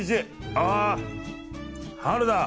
あー、春だ。